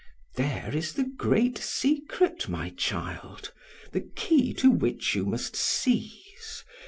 "There is the great secret, my child, the key to which you must seize.